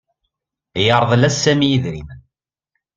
Yerḍel-s Sami idrimen.